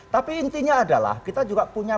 tapi intinya adalah kita juga punya